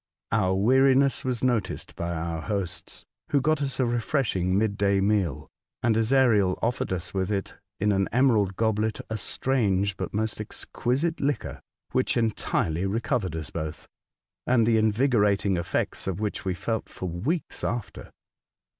Our weariness was noticed by our hosts, who got us a refreshing mid day meal, and Ezariel offered us with it, in an emerald goblet, a strange but most exquisite liquor, which entirely re covered us both, and the invigorating effects of which we felt for weeks after.